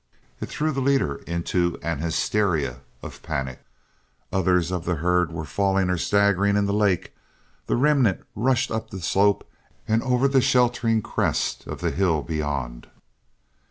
It threw the leader into an hysteria of panic. Others of the herd were falling or staggering in the lake; the remnant rushed up the slope and over the sheltering crest of the hill beyond.